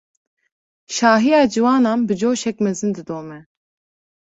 Şahiya Ciwanan, bi coşek mezin didome